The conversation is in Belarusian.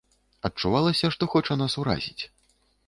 Адчувалася, што хоча нас уразіць.